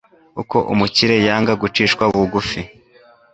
uko umukire yanga gucishwa bugufi